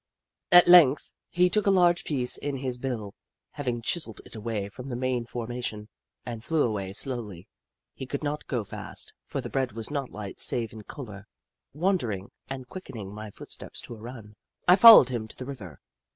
At length he took a large piece in his bill, having chiselled it away from the main formation, and flew away slowly. He could not go fast, for the bread was not light, save in colour. Wondering, and quickening my foot steps to a run, I followed him to the river.